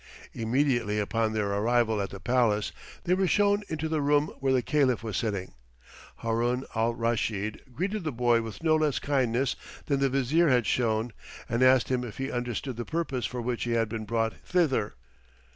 Immediately upon their arrival at the palace they were shown into the room where the Caliph was sitting. Haroun al Raschid greeted the boy with no less kindness than the Vizier had shown and asked him if he understood the purpose for which he had been brought thither.